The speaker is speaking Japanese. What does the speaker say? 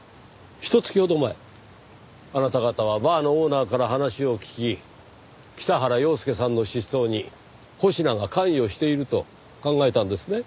ひと月ほど前あなた方はバーのオーナーから話を聞き北原陽介さんの失踪に保科が関与していると考えたんですね。